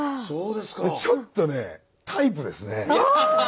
でちょっとねタイプですね。